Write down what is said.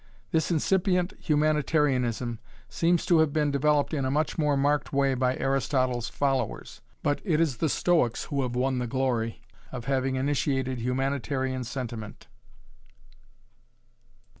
This incipient humanitarianism seems to have been developed in a much more marked way by Aristotle's followers, but it is the Stoics who have won the glory of having initiated humanitarian sentiment.